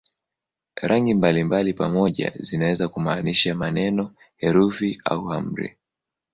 Rangi mbalimbali pamoja zinaweza kumaanisha maneno, herufi au amri.